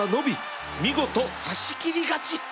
見事差し切り勝ち！